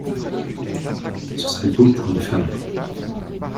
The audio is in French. Ce serait beau pour une femme !